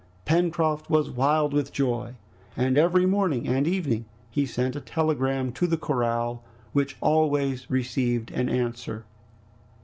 Pencroft was wild with joy, and every morning and evening he sent a telegram to the corral, which always received an answer.